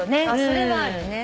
それはあるね。